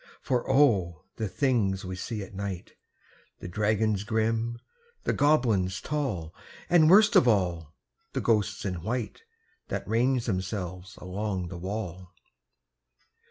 For O! the things we see at night The dragons grim, the goblins tall, And, worst of all, the ghosts in white That range themselves along the wall!